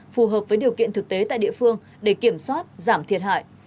phù hợp với điều kiện thực tế tại địa phương để kiểm soát giảm thiệt hại